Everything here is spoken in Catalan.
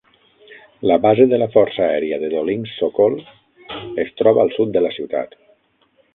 La base de la força aèria de Dolinsk-Sokol es troba al sud de la ciutat.